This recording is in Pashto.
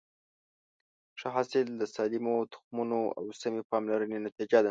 ښه حاصل د سالمو تخمونو او سمې پاملرنې نتیجه ده.